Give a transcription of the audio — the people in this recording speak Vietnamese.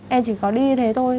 em chỉ có đi như thế thôi